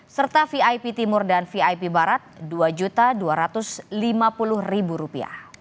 serta vip timur dan vip barat rp dua dua ratus lima puluh